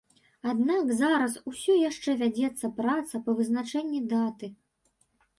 Аднак зараз усё яшчэ вядзецца праца па вызначэнні даты.